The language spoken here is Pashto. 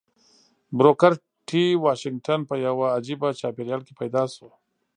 بروکر ټي واشنګټن په يوه عجيبه چاپېريال کې پيدا شو.